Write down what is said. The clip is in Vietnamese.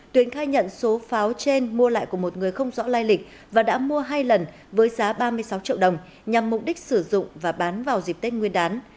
tuyến khai nhận số pháo trên mua lại của một người không rõ lai lịch và đã mua hai lần với giá ba mươi sáu triệu đồng nhằm mục đích sử dụng và bán vào dịp tết nguyên đán